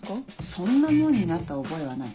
そんなもんになった覚えはない。